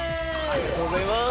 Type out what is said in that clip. ありがとうございます。